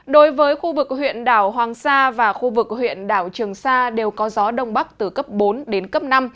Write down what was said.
đối với khu vực huyện đảo hoàng sa và khu vực huyện đảo trường sa đều có gió đông bắc từ cấp bốn đến cấp năm